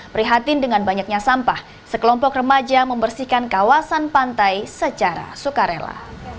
prihatin dengan banyaknya sampah sekelompok remaja membersihkan kawasan pantai secara sukarela